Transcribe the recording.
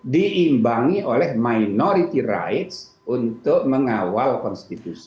diimbangi oleh minority rights untuk mengawal konstitusi